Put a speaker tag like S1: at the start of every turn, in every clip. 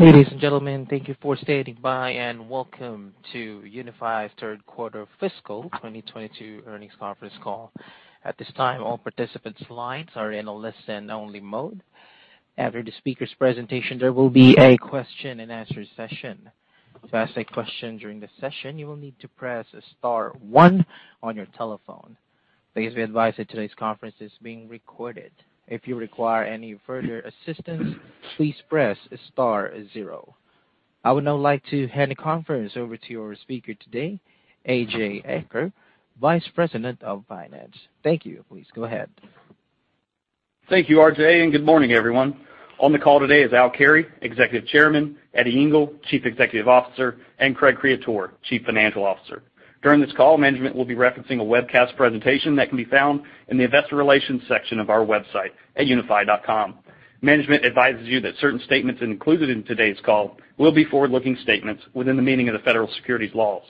S1: Ladies and gentlemen, thank you for standing by, and welcome to Unifi's third quarter fiscal 2022 earnings conference call. At this time, all participants' lines are in a listen-only mode. After the speakers' presentation, there will be a question and answer session. To ask a question during the session, you will need to press star one on your telephone. Please be advised that today's conference is being recorded. If you require any further assistance, please press star zero. I would now like to hand the conference over to your speaker today, A.J. Eaker, Vice President of Finance. Thank you. Please go ahead.
S2: Thank you, RJ, and good morning, everyone. On the call today is Al Carey, Executive Chairman, Eddie Ingle, Chief Executive Officer, and Craig Creaturo, Chief Financial Officer. During this call, management will be referencing a webcast presentation that can be found in the investor relations section of our website at unifi.com. Management advises you that certain statements included in today's call will be forward-looking statements within the meaning of the federal securities laws.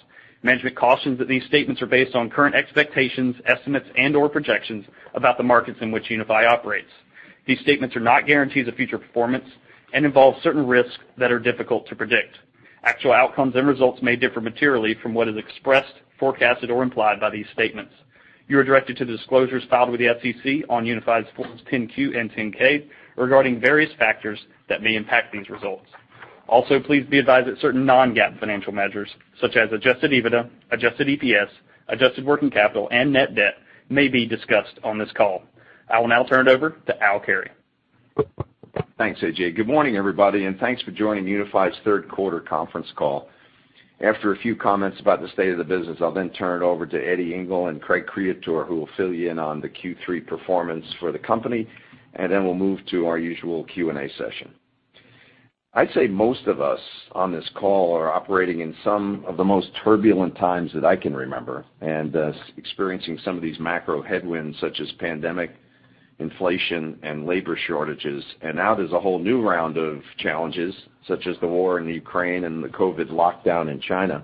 S2: Management cautions that these statements are based on current expectations, estimates, and/or projections about the markets in which Unifi operates. These statements are not guarantees of future performance and involve certain risks that are difficult to predict. Actual outcomes and results may differ materially from what is expressed, forecasted, or implied by these statements. You are directed to the disclosures filed with the SEC on Unifi's Forms 10-Q and 10-K regarding various factors that may impact these results. Please be advised that certain non-GAAP financial measures, such as adjusted EBITDA, adjusted EPS, adjusted working capital, and net debt may be discussed on this call. I will now turn it over to Al Carey.
S3: Thanks, A.J. Good morning, everybody, and thanks for joining Unifi's third quarter conference call. After a few comments about the state of the business, I'll then turn it over to Eddie Ingle and Craig Creaturo, who will fill you in on the Q3 performance for the company, and then we'll move to our usual Q&A session. I'd say most of us on this call are operating in some of the most turbulent times that I can remember and, experiencing some of these macro headwinds, such as pandemic, inflation, and labor shortages. Now there's a whole new round of challenges, such as the war in Ukraine and the COVID lockdown in China.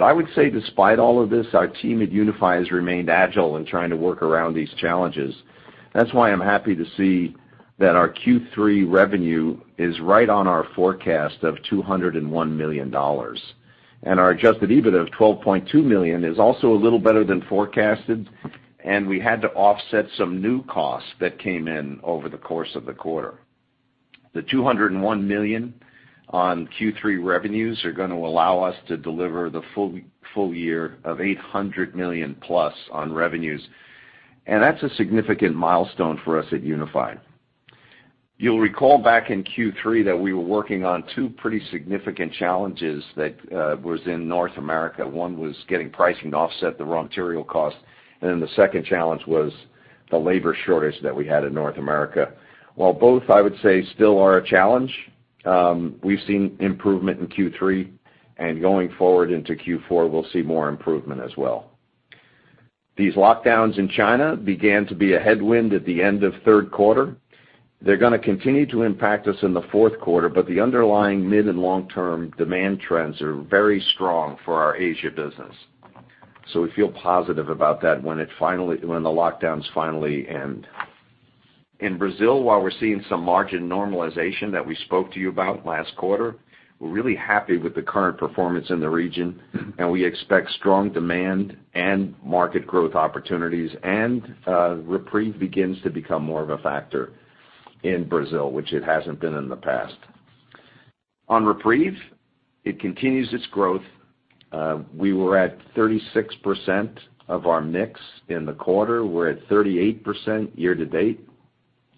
S3: I would say despite all of this, our team at Unifi has remained agile in trying to work around these challenges. That's why I'm happy to see that our Q3 revenue is right on our forecast of $201 million. Our adjusted EBIT of $12.2 million is also a little better than forecasted, and we had to offset some new costs that came in over the course of the quarter. The $201 million on Q3 revenues are gonna allow us to deliver the full year of $800 million+ on revenues, and that's a significant milestone for us at Unifi. You'll recall back in Q3 that we were working on two pretty significant challenges that was in North America. One was getting pricing to offset the raw material cost, and then the second challenge was the labor shortage that we had in North America. While both, I would say, still are a challenge, we've seen improvement in Q3, and going forward into Q4, we'll see more improvement as well. These lockdowns in China began to be a headwind at the end of third quarter. They're gonna continue to impact us in the fourth quarter, but the underlying mid and long-term demand trends are very strong for our Asia business. We feel positive about that when the lockdowns finally end. In Brazil, while we're seeing some margin normalization that we spoke to you about last quarter, we're really happy with the current performance in the region, and we expect strong demand and market growth opportunities, and REPREVE begins to become more of a factor in Brazil, which it hasn't been in the past. On REPREVE, it continues its growth. We were at 36% of our mix in the quarter. We're at 38% year to date.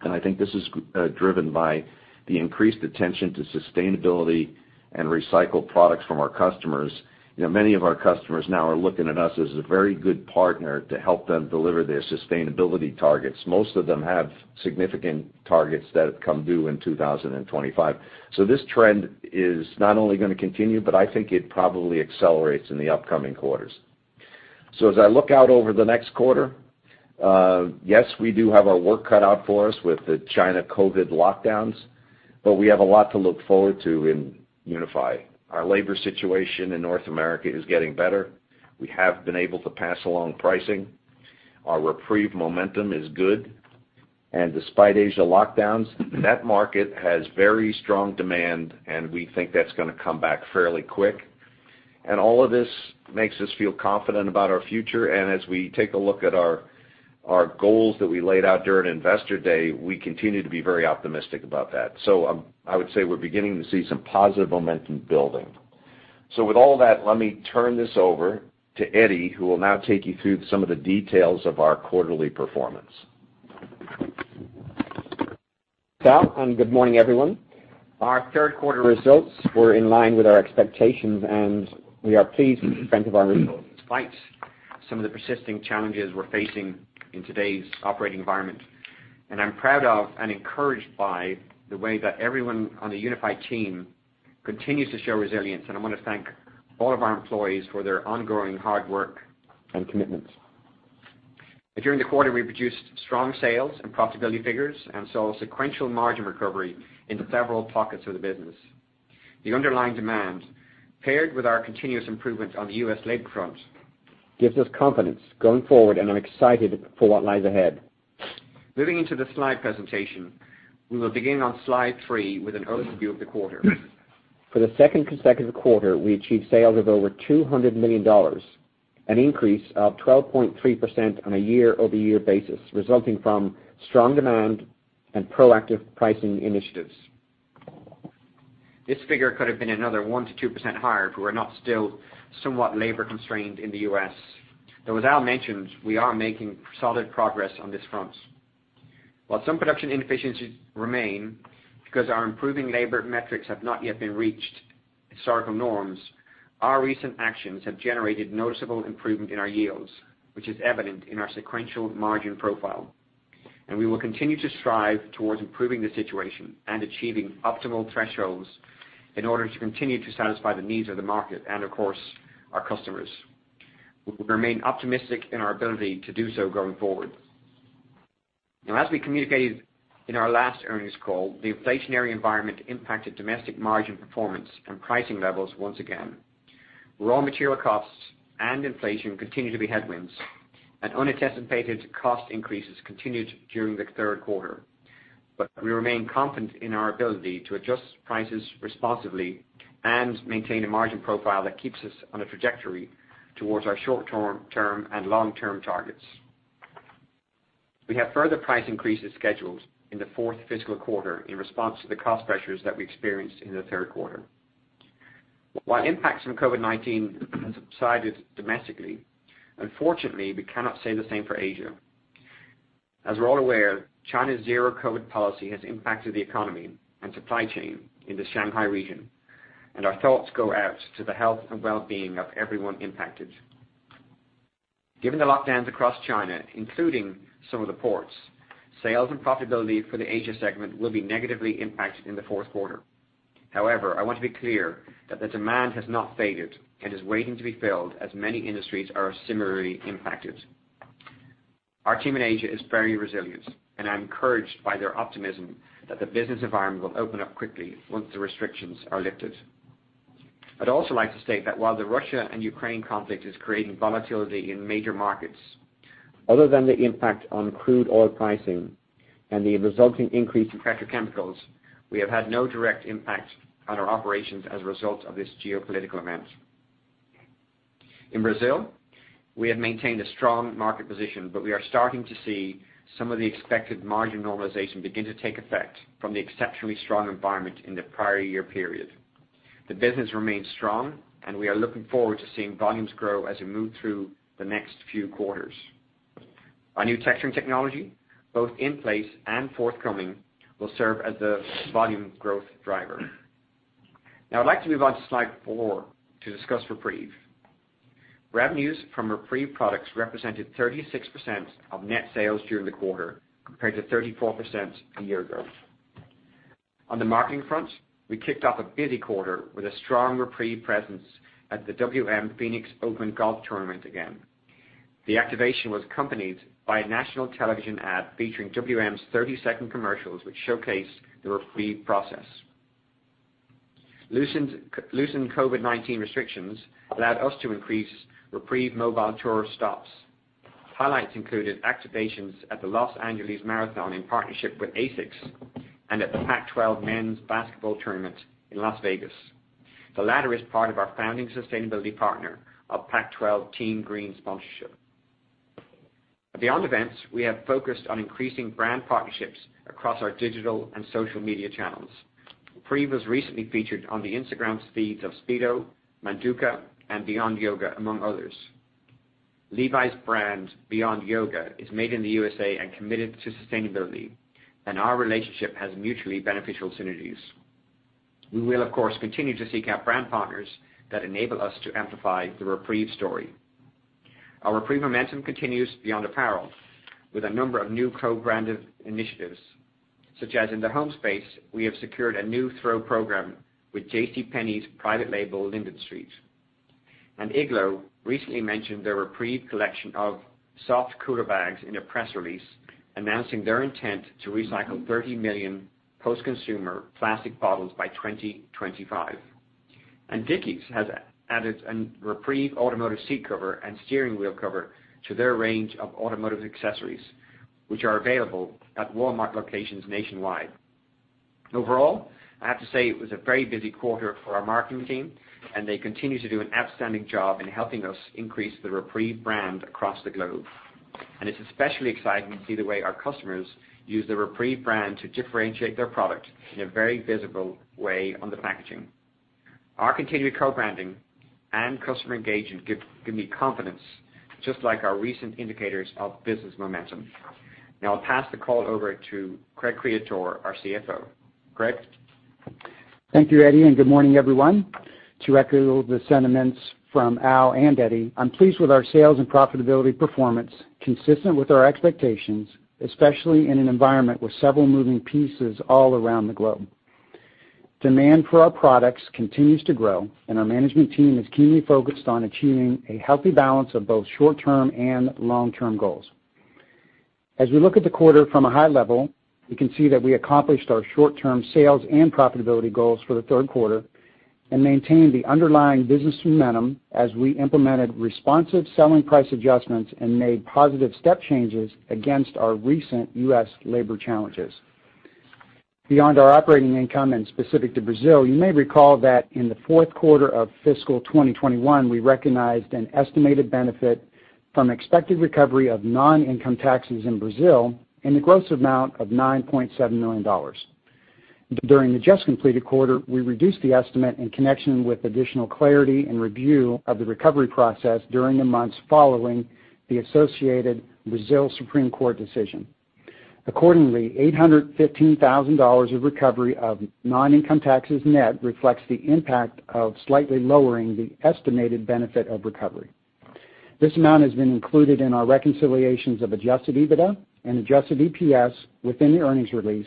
S3: I think this is driven by the increased attention to sustainability and recycled products from our customers. You know, many of our customers now are looking at us as a very good partner to help them deliver their sustainability targets. Most of them have significant targets that come due in 2025. This trend is not only gonna continue, but I think it probably accelerates in the upcoming quarters. As I look out over the next quarter, yes, we do have our work cut out for us with the China COVID lockdowns, but we have a lot to look forward to in Unifi. Our labor situation in North America is getting better. We have been able to pass along pricing. Our REPREVE momentum is good. Despite Asia lockdowns, that market has very strong demand, and we think that's gonna come back fairly quick. All of this makes us feel confident about our future. As we take a look at our goals that we laid out during Investor Day, we continue to be very optimistic about that. I would say we're beginning to see some positive momentum building. With all that, let me turn this over to Eddie, who will now take you through some of the details of our quarterly performance.
S4: Al, good morning, everyone. Our third quarter results were in line with our expectations, and we are pleased with the strength of our results despite some of the persisting challenges we're facing in today's operating environment. I'm proud of and encouraged by the way that everyone on the Unifi team continues to show resilience, and I wanna thank all of our employees for their ongoing hard work and commitment. During the quarter, we produced strong sales and profitability figures and saw sequential margin recovery into several pockets of the business. The underlying demand, paired with our continuous improvement on the U.S. labor front, gives us confidence going forward, and I'm excited for what lies ahead. Moving into the slide presentation, we will begin on slide three with an overview of the quarter. For the second consecutive quarter, we achieved sales of over $200 million, an increase of 12.3% on a year-over-year basis, resulting from strong demand and proactive pricing initiatives. This figure could have been another 1%-2% higher if we were not still somewhat labor-constrained in the U.S. Though as Al mentioned, we are making solid progress on this front. While some production inefficiencies remain because our improving labor metrics have not yet reached historical norms, our recent actions have generated noticeable improvement in our yields, which is evident in our sequential margin profile. We will continue to strive towards improving the situation and achieving optimal thresholds in order to continue to satisfy the needs of the market and, of course, our customers. We remain optimistic in our ability to do so going forward. Now, as we communicated in our last earnings call, the inflationary environment impacted domestic margin performance and pricing levels once again. Raw material costs and inflation continue to be headwinds, and unanticipated cost increases continued during the third quarter. We remain confident in our ability to adjust prices responsively and maintain a margin profile that keeps us on a trajectory towards our short-term and long-term targets. We have further price increases scheduled in the fourth fiscal quarter in response to the cost pressures that we experienced in the third quarter. While impacts from COVID-19 have subsided domestically, unfortunately, we cannot say the same for Asia. As we're all aware, China's zero-COVID policy has impacted the economy and supply chain in the Shanghai region, and our thoughts go out to the health and well-being of everyone impacted. Given the lockdowns across China, including some of the ports, sales and profitability for the Asia segment will be negatively impacted in the fourth quarter. However, I want to be clear that the demand has not faded and is waiting to be filled as many industries are similarly impacted. Our team in Asia is very resilient, and I'm encouraged by their optimism that the business environment will open up quickly once the restrictions are lifted. I'd also like to state that while the Russia and Ukraine conflict is creating volatility in major markets, other than the impact on crude oil pricing and the resulting increase in petrochemicals, we have had no direct impact on our operations as a result of this geopolitical event. In Brazil, we have maintained a strong market position, but we are starting to see some of the expected margin normalization begin to take effect from the exceptionally strong environment in the prior year period. The business remains strong, and we are looking forward to seeing volumes grow as we move through the next few quarters. Our new texturing technology, both in place and forthcoming, will serve as a volume growth driver. Now I'd like to move on to slide four to discuss REPREVE. Revenues from REPREVE products represented 36% of net sales during the quarter compared to 34% a year ago. On the marketing front, we kicked off a busy quarter with a strong REPREVE presence at the WM Phoenix Open golf tournament again. The activation was accompanied by a national television ad featuring WM's 30-second commercials, which showcased the REPREVE process. Loosened COVID-19 restrictions allowed us to increase REPREVE mobile tour stops. Highlights included activations at the Los Angeles Marathon in partnership with ASICS and at the Pac-12 Men's Basketball Tournament in Las Vegas. The latter is part of our founding sustainability partner of Pac-12 Team Green sponsorship. Beyond events, we have focused on increasing brand partnerships across our digital and social media channels. REPREVE was recently featured on the Instagram feeds of Speedo, Manduka, and Beyond Yoga, among others. Levi's brand, Beyond Yoga, is made in the USA and committed to sustainability, and our relationship has mutually beneficial synergies. We will, of course, continue to seek out brand partners that enable us to amplify the REPREVE story. Our REPREVE momentum continues beyond apparel with a number of new co-branded initiatives, such as in the home space, we have secured a new throw program with JCPenney's private label, Linden Street. Igloo recently mentioned their REPREVE collection of soft cooler bags in a press release, announcing their intent to recycle 30 million post-consumer plastic bottles by 2025. Dickies has added a REPREVE automotive seat cover and steering wheel cover to their range of automotive accessories, which are available at Walmart locations nationwide. Overall, I have to say it was a very busy quarter for our marketing team, and they continue to do an outstanding job in helping us increase the REPREVE brand across the globe. It's especially exciting to see the way our customers use the REPREVE brand to differentiate their product in a very visible way on the packaging. Our continued co-branding and customer engagement give me confidence, just like our recent indicators of business momentum. Now I'll pass the call over to Craig Creaturo, our CFO. Craig?
S5: Thank you, Eddie, and good morning, everyone. To echo the sentiments from Al and Eddie, I'm pleased with our sales and profitability performance consistent with our expectations, especially in an environment with several moving pieces all around the globe. Demand for our products continues to grow, and our management team is keenly focused on achieving a healthy balance of both short-term and long-term goals. As we look at the quarter from a high level, we can see that we accomplished our short-term sales and profitability goals for the third quarter and maintained the underlying business momentum as we implemented responsive selling price adjustments and made positive step changes against our recent U.S. labor challenges. Beyond our operating income and specific to Brazil, you may recall that in the fourth quarter of fiscal 2021, we recognized an estimated benefit from expected recovery of non-income taxes in Brazil in the gross amount of $9.7 million. During the just-completed quarter, we reduced the estimate in connection with additional clarity and review of the recovery process during the months following the associated Brazil Supreme Court decision. Accordingly, $815,000 of recovery of non-income taxes net reflects the impact of slightly lowering the estimated benefit of recovery. This amount has been included in our reconciliations of adjusted EBITDA and adjusted EPS within the earnings release,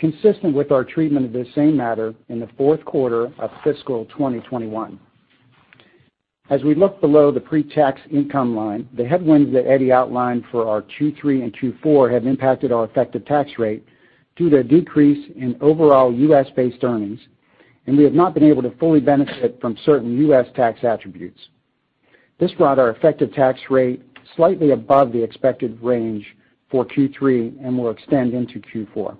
S5: consistent with our treatment of this same matter in the fourth quarter of fiscal 2021. As we look below the pre-tax income line, the headwinds that Eddie outlined for our Q3 and Q4 have impacted our effective tax rate due to a decrease in overall U.S.-based earnings, and we have not been able to fully benefit from certain U.S. tax attributes. This brought our effective tax rate slightly above the expected range for Q3 and will extend into Q4.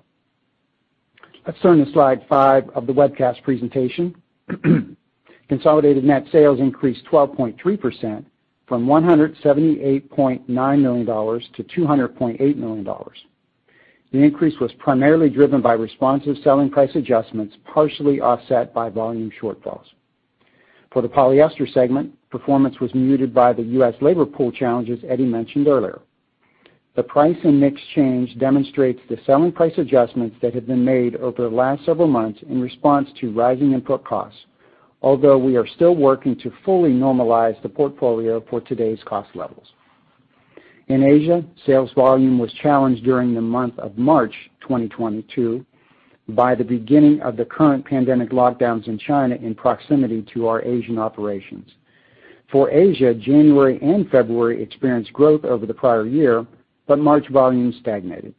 S5: Let's turn to slide five of the webcast presentation. Consolidated net sales increased 12.3% from $178.9 million to $200.8 million. The increase was primarily driven by responsive selling price adjustments, partially offset by volume shortfalls. For the polyester segment, performance was muted by the U.S. labor pool challenges Eddie mentioned earlier. The price and mix change demonstrates the selling price adjustments that have been made over the last several months in response to rising input costs. We are still working to fully normalize the portfolio for today's cost levels. In Asia, sales volume was challenged during the month of March 2022 by the beginning of the current pandemic lockdowns in China in proximity to our Asian operations. For Asia, January and February experienced growth over the prior year, but March volume stagnated.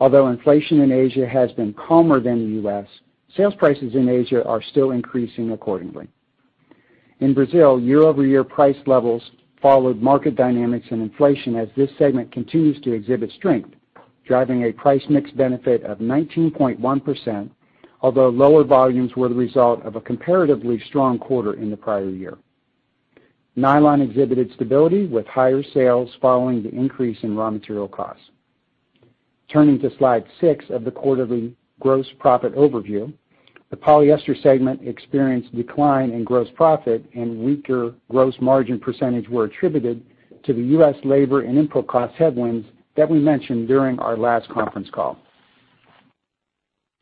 S5: Inflation in Asia has been calmer than the U.S., sales prices in Asia are still increasing accordingly. In Brazil, year-over-year price levels followed market dynamics and inflation as this segment continues to exhibit strength, driving a price mix benefit of 19.1%, although lower volumes were the result of a comparatively strong quarter in the prior year. Nylon exhibited stability with higher sales following the increase in raw material costs. Turning to slide six of the quarterly gross profit overview, the polyester segment experienced decline in gross profit and weaker gross margin percentage were attributed to the U.S. labor and input cost headwinds that we mentioned during our last conference call.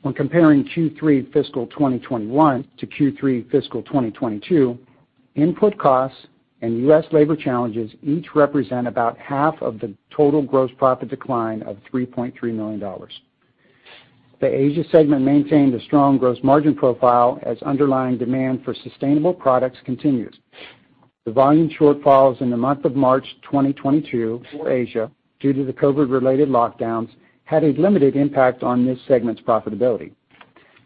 S5: When comparing Q3 fiscal 2021 to Q3 fiscal 2022, input costs and U.S. labor challenges each represent about half of the total gross profit decline of $3.3 million. The Asia segment maintained a strong gross margin profile as underlying demand for sustainable products continues. The volume shortfalls in the month of March 2022 for Asia, due to the COVID-related lockdowns, had a limited impact on this segment's profitability.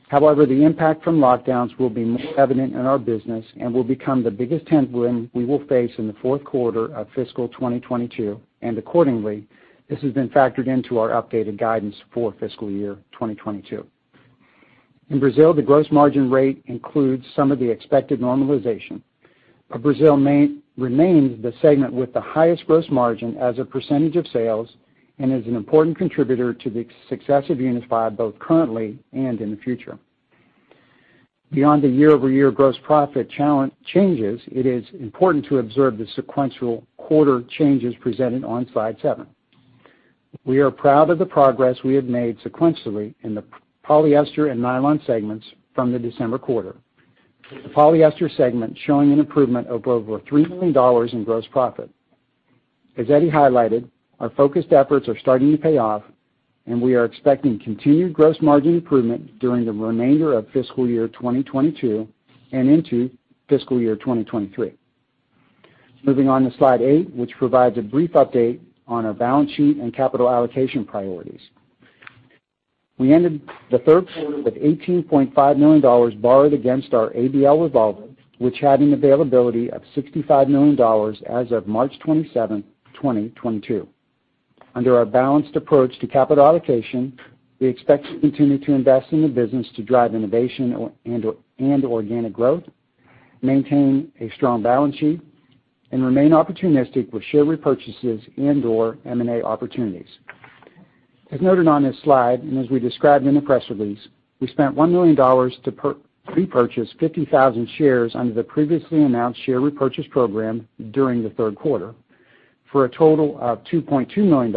S5: However, the impact from lockdowns will be more evident in our business and will become the biggest headwind we will face in the fourth quarter of fiscal 2022, and accordingly, this has been factored into our updated guidance for fiscal year 2022. In Brazil, the gross margin rate includes some of the expected normalization, but Brazil remains the segment with the highest gross margin as a percentage of sales and is an important contributor to the success of Unifi both currently and in the future. Beyond the year-over-year gross profit changes, it is important to observe the sequential quarter changes presented on slide 7. We are proud of the progress we have made sequentially in the polyester and nylon segments from the December quarter. The polyester segment showing an improvement of over $3 million in gross profit. As Eddie highlighted, our focused efforts are starting to pay off, and we are expecting continued gross margin improvement during the remainder of fiscal year 2022 and into fiscal year 2023. Moving on to slide 8, which provides a brief update on our balance sheet and capital allocation priorities. We ended the third quarter with $18.5 million borrowed against our ABL revolver, which had an availability of $65 million as of March 27, 2022. Under our balanced approach to capital allocation, we expect to continue to invest in the business to drive innovation and organic growth, maintain a strong balance sheet, and remain opportunistic with share repurchases and/or M&A opportunities. As noted on this slide, as we described in the press release, we spent $1 million to repurchase 50,000 shares under the previously announced share repurchase program during the third quarter, for a total of $2.2 million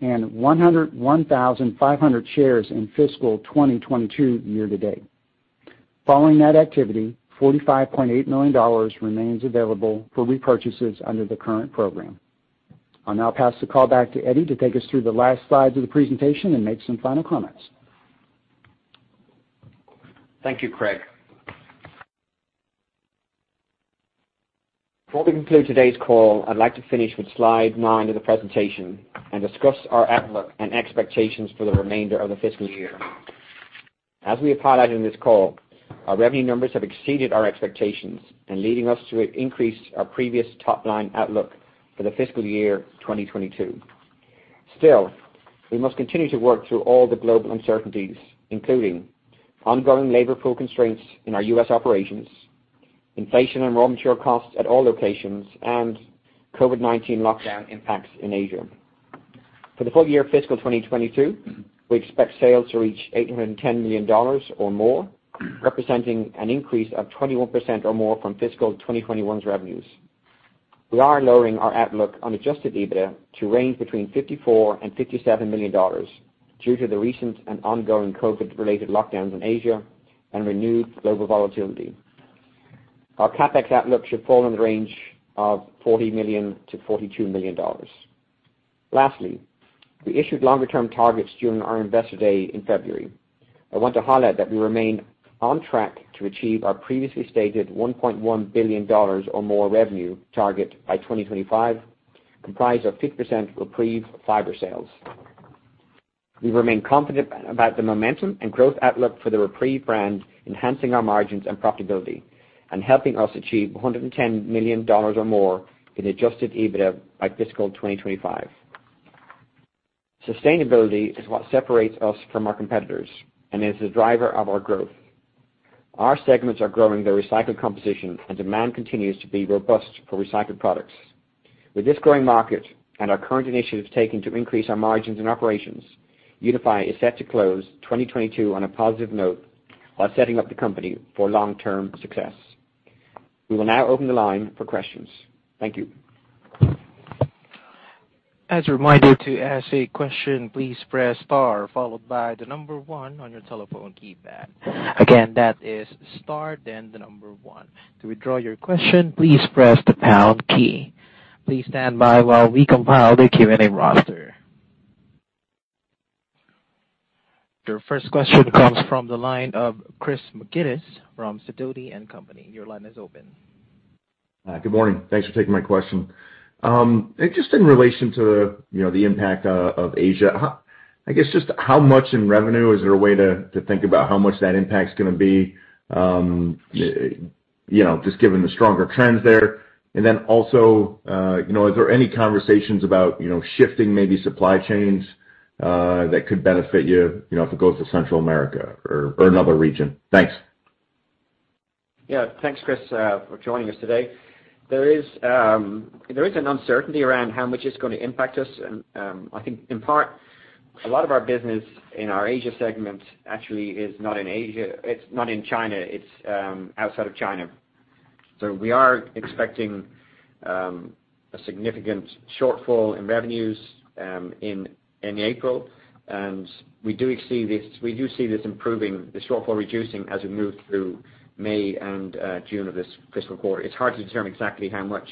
S5: and 101,500 shares in fiscal 2022 year to date. Following that activity, $45.8 million remains available for repurchases under the current program. I'll now pass the call back to Eddie to take us through the last slides of the presentation and make some final comments.
S4: Thank you, Craig. Before we conclude today's call, I'd like to finish with slide nine of the presentation and discuss our outlook and expectations for the remainder of the fiscal year. As we have highlighted in this call, our revenue numbers have exceeded our expectations and leading us to increase our previous top-line outlook for the fiscal year 2022. Still, we must continue to work through all the global uncertainties, including ongoing labor pool constraints in our U.S. operations, inflation and raw material costs at all locations, and COVID-19 lockdown impacts in Asia. For the full year fiscal 2022, we expect sales to reach $810 million or more, representing an increase of 21% or more from fiscal 2021's revenues. We are lowering our outlook on adjusted EBITDA to range between $54 million and $57 million due to the recent and ongoing COVID-related lockdowns in Asia and renewed global volatility. Our CapEx outlook should fall in the range of $40 million-$42 million. Lastly, we issued longer-term targets during our Investor Day in February. I want to highlight that we remain on track to achieve our previously stated $1.1 billion or more revenue target by 2025, comprised of 50% REPREVE fiber sales. We remain confident about the momentum and growth outlook for the REPREVE brand, enhancing our margins and profitability and helping us achieve $110 million or more in adjusted EBITDA by fiscal 2025. Sustainability is what separates us from our competitors and is the driver of our growth. Our segments are growing their recycled composition, and demand continues to be robust for recycled products. With this growing market and our current initiatives taken to increase our margins and operations, Unifi is set to close 2022 on a positive note while setting up the company for long-term success. We will now open the line for questions. Thank you.
S1: As a reminder, to ask a question, please press star followed by the number one on your telephone keypad. Again, that is star, then the number one. To withdraw your question, please press the pound key. Please stand by while we compile the Q&A roster. Your first question comes from the line of Chris McGinnis from Sidoti & Company. Your line is open.
S6: Good morning. Thanks for taking my question. Just in relation to, you know, the impact of Asia, I guess just how much in revenue is there a way to think about how much that impact's gonna be, you know, just given the stronger trends there? Then also, you know, are there any conversations about, you know, shifting maybe supply chains, that could benefit you know, if it goes to Central America or another region? Thanks.
S4: Yeah. Thanks, Chris, for joining us today. There is an uncertainty around how much it's gonna impact us. I think in part, a lot of our business in our Asia segment actually is not in Asia. It's not in China. It's outside of China. We are expecting a significant shortfall in revenues in April. We do see this improving, the shortfall reducing as we move through May and June of this fiscal quarter. It's hard to determine exactly how much.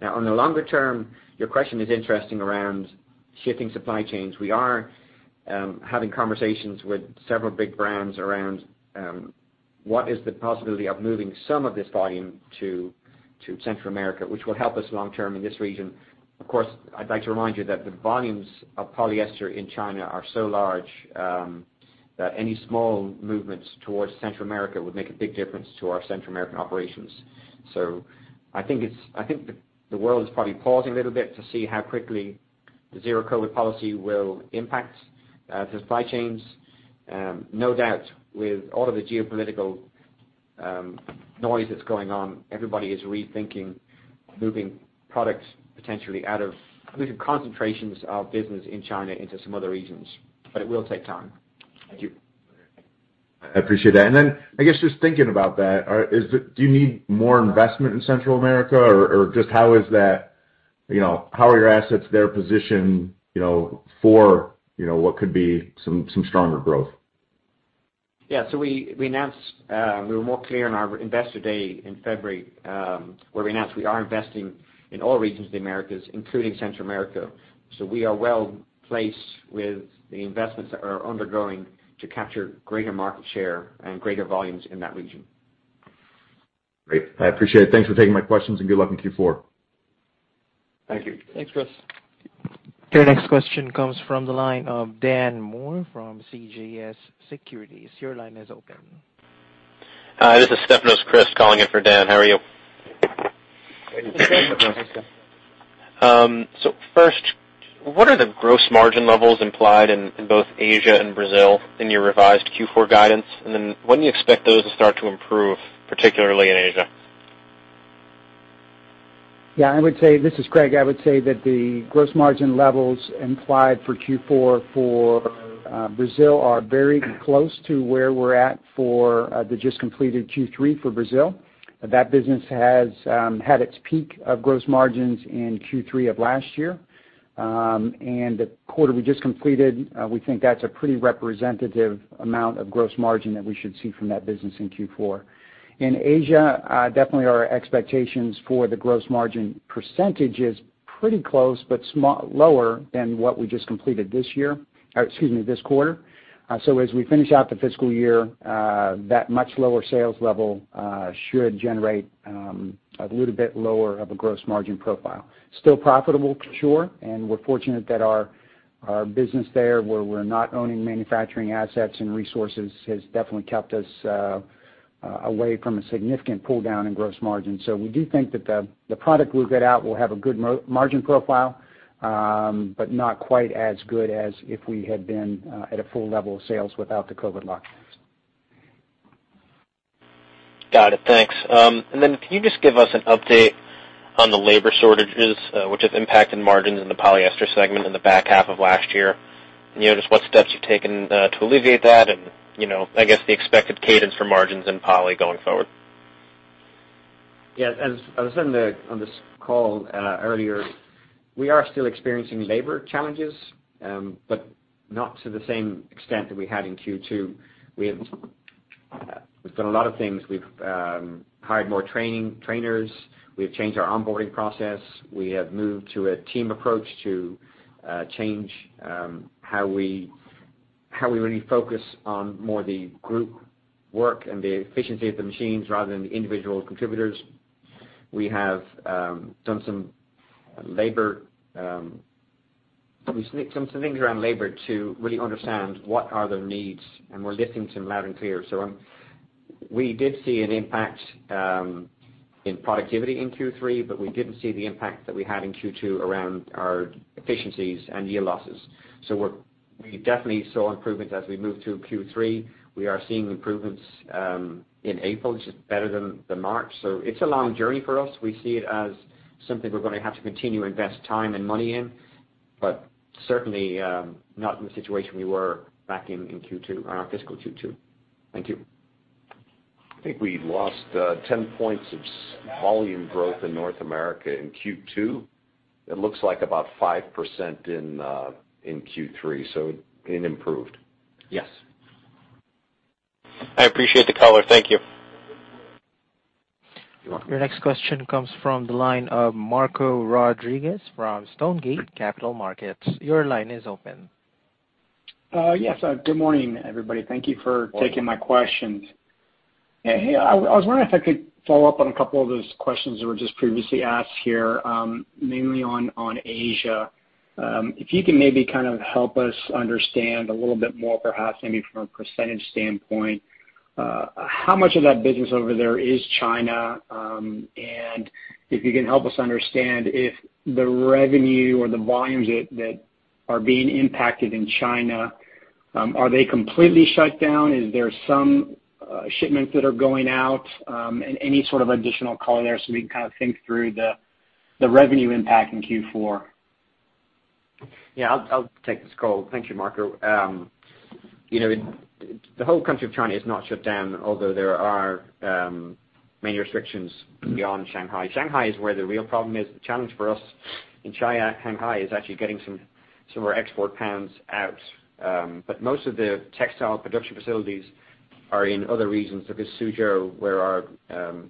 S4: Now, on the longer term, your question is interesting around shifting supply chains. We are having conversations with several big brands around what is the possibility of moving some of this volume to Central America, which will help us long term in this region. Of course, I'd like to remind you that the volumes of polyester in China are so large that any small movements towards Central America would make a big difference to our Central American operations. I think the world is probably pausing a little bit to see how quickly the zero COVID policy will impact the supply chains. No doubt with all of the geopolitical noise that's going on, everybody is rethinking moving concentrations of business in China into some other regions. It will take time. Thank you.
S6: I appreciate that. Then I guess just thinking about that, do you need more investment in Central America or just how is that? You know, how are your assets there positioned, you know, for what could be some stronger growth?
S4: We announced we were more clear in our Investor Day in February where we announced we are investing in all regions of the Americas, including Central America. We are well-placed with the investments that are underway to capture greater market share and greater volumes in that region.
S6: Great. I appreciate it. Thanks for taking my questions, and good luck in Q4.
S4: Thank you.
S5: Thanks, Chris.
S1: Your next question comes from the line of Dan Moore from CJS Securities. Your line is open.
S7: Hi, this is Stefanos Crist calling in for Dan. How are you?
S4: Great. Thanks so much.
S7: First, what are the gross margin levels implied in both Asia and Brazil in your revised Q4 guidance? When do you expect those to start to improve, particularly in Asia?
S5: Yeah. This is Craig. I would say that the gross margin levels implied for Q4 for Brazil are very close to where we're at for the just completed Q3 for Brazil. That business has had its peak of gross margins in Q3 of last year. The quarter we just completed, we think that's a pretty representative amount of gross margin that we should see from that business in Q4. In Asia, definitely our expectations for the gross margin percentage is pretty close, but slightly lower than what we just completed this year, or excuse me, this quarter. As we finish out the fiscal year, that much lower sales level should generate a little bit lower of a gross margin profile. Still profitable for sure, and we're fortunate that our business there, where we're not owning manufacturing assets and resources, has definitely kept us away from a significant pull-down in gross margin. We do think that the product we'll get out will have a good margin profile, but not quite as good as if we had been at a full level of sales without the COVID lockdowns.
S7: Got it. Thanks. Can you just give us an update on the labor shortages, which have impacted margins in the polyester segment in the back half of last year? You know, just what steps you've taken to alleviate that and, you know, I guess, the expected cadence for margins in poly going forward?
S4: Yeah. As I said on this call earlier, we are still experiencing labor challenges, but not to the same extent that we had in Q2. We've done a lot of things. We've hired more trainers. We've changed our onboarding process. We have moved to a team approach to change how we really focus on more the group work and the efficiency of the machines rather than the individual contributors. We've done some things around labor to really understand what are their needs, and we're listening to them loud and clear. We did see an impact in productivity in Q3, but we didn't see the impact that we had in Q2 around our efficiencies and yield losses. We definitely saw improvements as we moved through Q3. We are seeing improvements in April, just better than March. It's a long journey for us. We see it as something we're gonna have to continue to invest time and money in, but certainly not in the situation we were back in Q2, our fiscal Q2. Thank you.
S5: I think we lost 10 points of volume growth in North America in Q2. It looks like about 5% in Q3, so it improved.
S4: Yes.
S7: I appreciate the color. Thank you.
S4: You're welcome.
S1: Your next question comes from the line of Marco Rodriguez from Stonegate Capital Markets. Your line is open.
S8: Yes. Good morning, everybody. Thank you for taking my questions. Hey, I was wondering if I could follow up on a couple of those questions that were just previously asked here, mainly on Asia. If you can maybe kind of help us understand a little bit more perhaps maybe from a percentage standpoint, how much of that business over there is China, and if you can help us understand if the revenue or the volumes that are being impacted in China, are they completely shut down? Is there some shipments that are going out, and any sort of additional color there so we can kind of think through the revenue impact in Q4?
S4: Yeah, I'll take this call. Thank you, Marco. You know, the whole country of China is not shut down, although there are many restrictions beyond Shanghai. Shanghai is where the real problem is. The challenge for us in China, Shanghai, is actually getting some of our export pounds out. Most of the textile production facilities are in other regions such as Suzhou, where our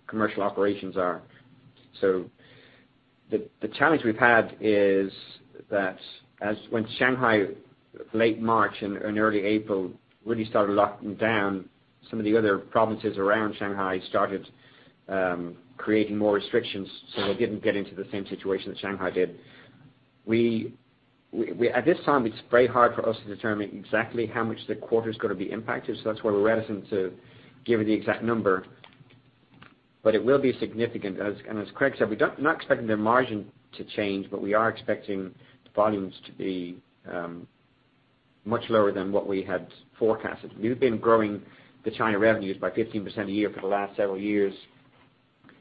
S4: commercial operations are. The challenge we've had is that when Shanghai, late March and early April, really started locking down, some of the other provinces around Shanghai started creating more restrictions, so they didn't get into the same situation that Shanghai did. At this time, it's very hard for us to determine exactly how much the quarter's gonna be impacted, so that's why we're reticent to give you the exact number. It will be significant. As Craig said, we are not expecting the margin to change, but we are expecting volumes to be much lower than what we had forecasted. We've been growing the China revenues by 15% a year for the last several years.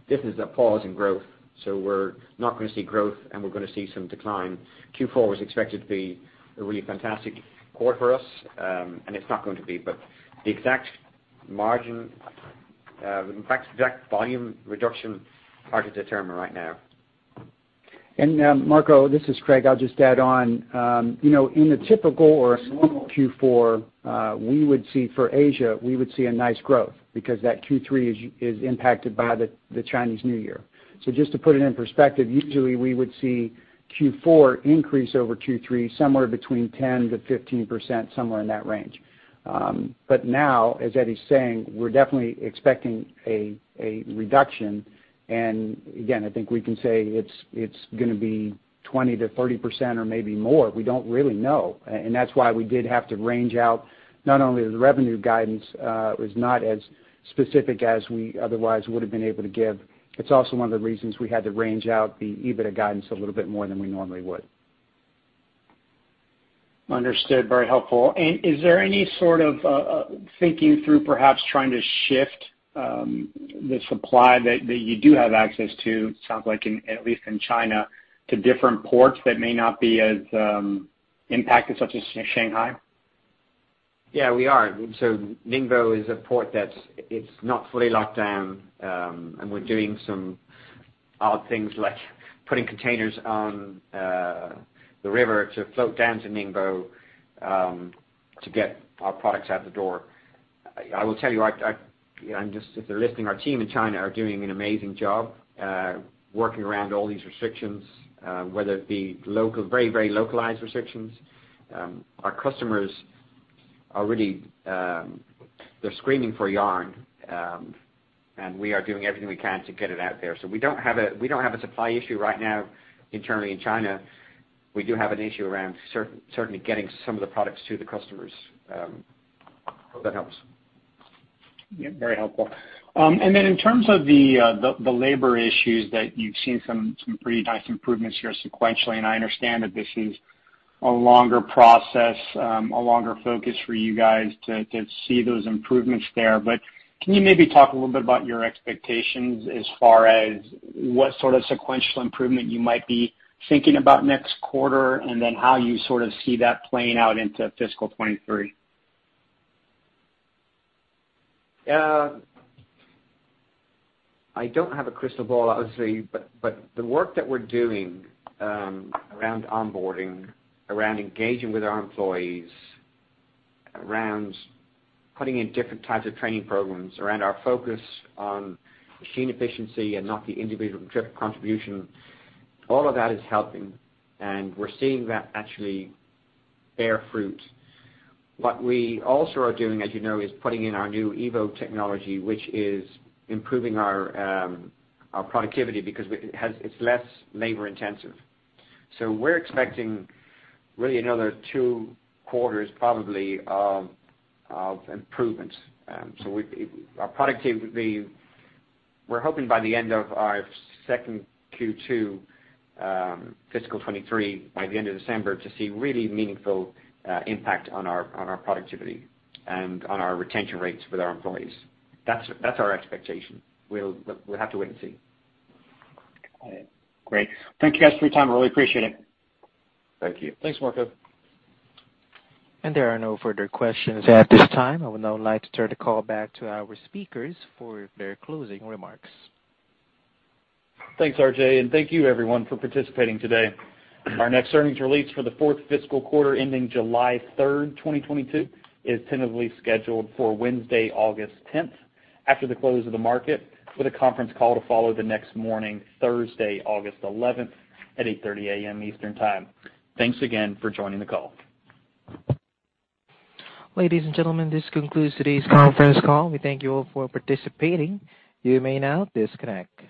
S4: This is a pause in growth, so we're not gonna see growth, and we're gonna see some decline. Q4 was expected to be a really fantastic quarter for us, and it's not going to be. The exact margin, in fact, the exact volume reduction, is hard to determine right now.
S5: Marco, this is Craig. I'll just add on. You know, in a typical or a normal Q4, we would see, for Asia, we would see a nice growth because that Q3 is impacted by the Chinese New Year. Just to put it in perspective, usually we would see Q4 increase over Q3 somewhere between 10%-15%, somewhere in that range. But now, as Eddie’s saying, we're definitely expecting a reduction. Again, I think we can say it's gonna be 20%-30% or maybe more. We don't really know and that's why we did have to range out, not only the revenue guidance was not as specific as we otherwise would have been able to give, it's also one of the reasons we had to range out the EBITDA guidance a little bit more than we normally would.
S8: Understood. Very helpful. Is there any sort of thinking through perhaps trying to shift the supply that you do have access to, sounds like in at least in China, to different ports that may not be as impacted such as Shanghai?
S4: Yeah, we are. Ningbo is a port that's. It's not fully locked down, and we're doing some odd things like putting containers on the river to float down to Ningbo, to get our products out the door. I will tell you know, I'm just if they're listening, our team in China are doing an amazing job, working around all these restrictions, whether it be local very, very localized restrictions. Our customers are really, they're screaming for yarn, and we are doing everything we can to get it out there. We don't have a supply issue right now internally in China. We do have an issue around certainly getting some of the products to the customers. I hope that helps.
S8: Yeah. Very helpful. In terms of the labor issues that you've seen some pretty nice improvements here sequentially, I understand that this is a longer process, a longer focus for you guys to see those improvements there. Can you maybe talk a little bit about your expectations as far as what sort of sequential improvement you might be thinking about next quarter, and then how you sort of see that playing out into fiscal 2023?
S4: I don't have a crystal ball, obviously. The work that we're doing around onboarding, around engaging with our employees, around putting in different types of training programs, around our focus on machine efficiency and not the individual contribution, all of that is helping, and we're seeing that actually bear fruit. What we also are doing, as you know, is putting in our new Evo technology, which is improving our productivity because it's less labor intensive. We're expecting really another two quarters probably of improvements. We've, our productivity, we're hoping by the end of our second Q2, fiscal 2023, by the end of December, to see really meaningful impact on our productivity and on our retention rates with our employees. That's our expectation. We'll have to wait and see.
S8: All right. Great. Thank you guys for your time. I really appreciate it.
S4: Thank you.
S2: Thanks, Marco.
S1: There are no further questions at this time. I would now like to turn the call back to our speakers for their closing remarks.
S2: Thanks, RJ, and thank you everyone for participating today. Our next earnings release for the fourth fiscal quarter ending July 3rd, 2022, is tentatively scheduled for Wednesday, August 10th, after the close of the market, with a conference call to follow the next morning, Thursday, August 11th, at 8:30 A.M. Eastern Time. Thanks again for joining the call.
S1: Ladies and gentlemen, this concludes today's conference call. We thank you all for participating. You may now disconnect.